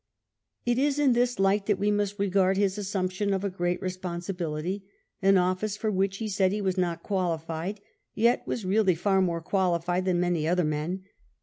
It is in this light that we must regard his assumption of a great responsibility, an office for which he said he was not qualified, yet was really far more qualified than many other men.